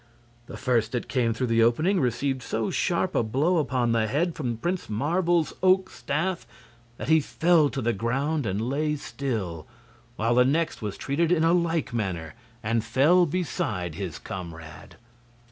The first that came through the opening received so sharp a blow upon the head from Prince Marvel's oak staff that he fell to the ground and lay still, while the next was treated in a like manner and fell beside his comrade.